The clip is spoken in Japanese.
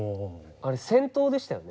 あれ戦闘でしたよね